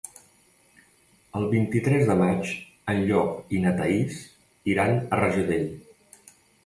El vint-i-tres de maig en Llop i na Thaís iran a Rajadell.